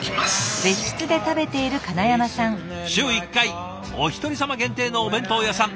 週１回おひとりさま限定のお弁当屋さん。